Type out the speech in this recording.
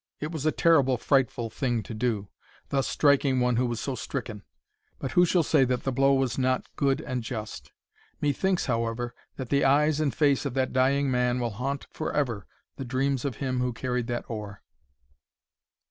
It was a terrible, frightful thing to do,—thus striking one who was so stricken; but who shall say that the blow was not good and just? Methinks, however, that the eyes and face of that dying man will haunt for ever the dreams of him who carried that oar!